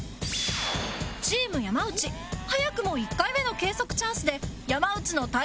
チーム山内早くも１回目の計測チャンスで山内の体重を測る事に